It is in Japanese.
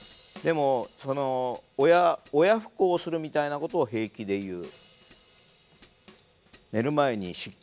でもその親不孝するみたいなことを平気で言う。